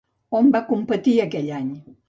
On va competir aquell any?